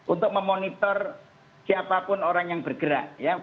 untuk memonitor siapapun orang yang bergerak